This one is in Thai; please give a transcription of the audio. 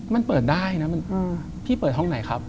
มันเปิดได้นะพี่เปิดห้องไหนครับ